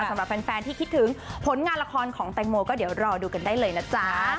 สำหรับแฟนที่คิดถึงผลงานละครของแตงโมก็เดี๋ยวรอดูกันได้เลยนะจ๊ะ